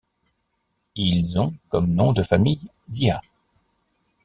Ils ont comme nom de famille Dia.